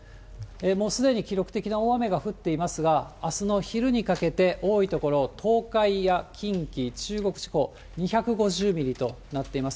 もうすでに記録的な大雨が降っていますが、あすの昼にかけて、多い所、東海や近畿、中国地方、２５０ミリとなっています。